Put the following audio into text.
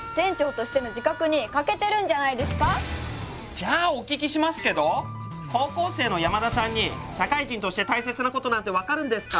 じゃあお聞きしますけど高校生の山田さんに社会人として大切なことなんて分かるんですか？